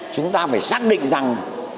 chúng ta phải xác định rằng